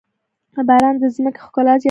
باران د ځمکې ښکلا زياتوي.